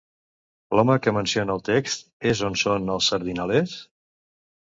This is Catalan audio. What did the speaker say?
L'home que menciona el text és on són els sardinalers?